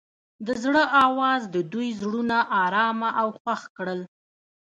د زړه اواز د دوی زړونه ارامه او خوښ کړل.